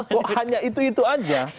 kok hanya itu itu aja